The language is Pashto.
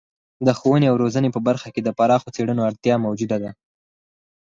د ښوونې او روزنې په برخه کې د پراخو څیړنو اړتیا موجوده ده.